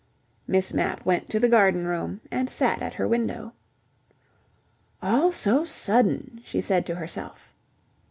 Miss Mapp went to the garden room and sat at her window. "All so sudden," she said to herself.